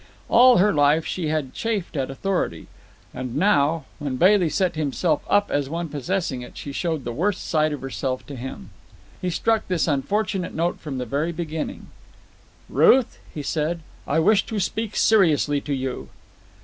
All her life she had chafed at authority, and now, when Bailey set himself up as one possessing it, she showed the worst side of herself to him. He struck this unfortunate note from the very beginning. "Ruth," he said, "I wish to speak seriously to you."